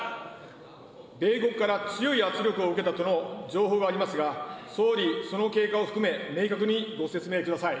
米国から強い圧力を受けたとの情報がありますが、総理、その経過を含め、明確にご説明ください。